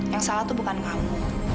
yang salah tuh bukan kamu